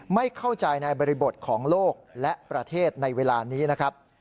ไม่เข้าใจในบริบทของโลกและประเทศในเวลานี้นะครับ